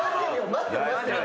待ってる待ってる。